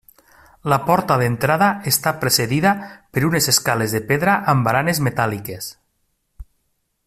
La porta d'entrada està precedida per unes escales de pedra amb baranes metàl·liques.